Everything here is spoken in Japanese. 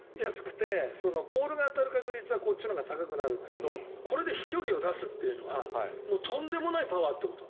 ボールが当たる確率はこっちのほうが高くなるんだけどこれで飛距離を出すというのはとんでもないパワーということ。